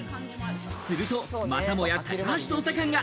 すると、またもや高橋捜査官が。